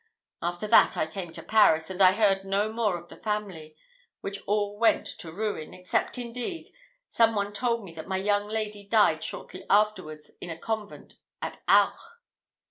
After that I came to Paris; and I heard no more of the family, which all went to ruin, except, indeed, some one told me that my young lady died shortly afterwards in a convent at Auch."